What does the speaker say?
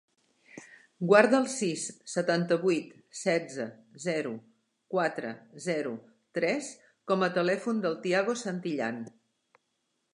Guarda el sis, setanta-vuit, setze, zero, quatre, zero, tres com a telèfon del Tiago Santillan.